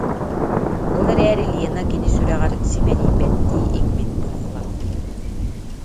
Ол эрээри Лена кини сүрэҕэр симэлийбэттии иҥмит быһыылаах